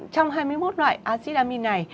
trong hai mươi một loại acid amine này